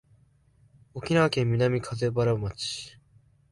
沖縄県南風原町